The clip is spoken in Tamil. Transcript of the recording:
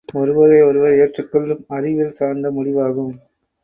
ஒருவரை ஒருவர் ஏற்றுக்கொள்ளும் அறிவியல் சார்ந்த முடிவாகும்.